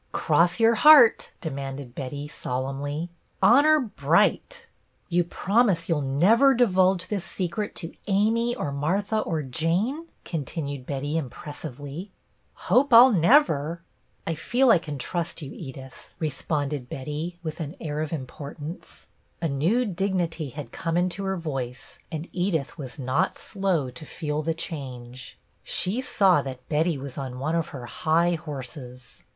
"Cross your heart," demanded Betty, sol emnly. " Honor bright !"' You promise you 'll never divulge this secret to Amy or Martha or Jane ?" con tinued Betty, impressively. Hope I 'll never !" f feel I can trust you, Edith," responded 22 BETTY BAIRD Betty, with an air of importance. A new dignity had come into her voice, and Edith was not slow to feel the change. She saw that Betty was on one of her high horses.